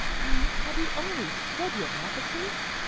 "And have you always said your offices?"